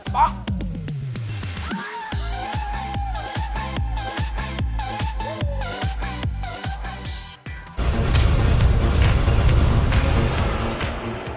ปอง